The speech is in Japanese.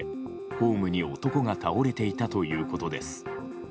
ホームに男が倒れていたということです。